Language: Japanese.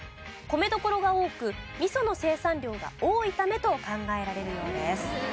米どころが多くみその生産量が多いためと考えられるようです。